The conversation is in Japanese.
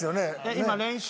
今練習？